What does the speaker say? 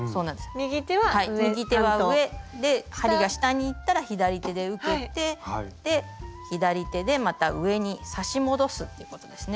右手は上で針が下にいったら左手で受けて左手でまた上に刺し戻すっていうことですね。